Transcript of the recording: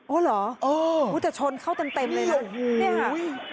โอ้เหรอแต่ชนเข้าเต็มเลยนะเนี่ยฮะ